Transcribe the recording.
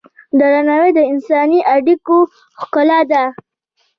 درناوی د انساني اړیکو ښکلا ده.